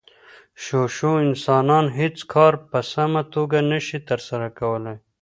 شو شو انسانان هېڅ کار په سمه توګه نشي ترسره کولی.